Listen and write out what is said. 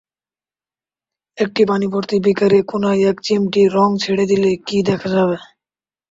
একটি পানিভর্তি বিকারের কোনায় এক চিমটি রং ছেড়ে দিলে কী দেখা যাবে?